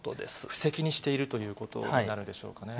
布石にしているということになるでしょうかね。